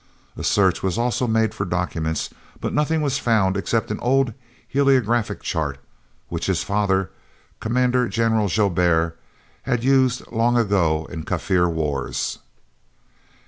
A search was also made for documents, but nothing was found except an old heliographic chart which his father, Commandant General Joubert, had used long ago in Kaffir wars.